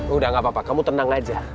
udah gak apa apa kamu tenang aja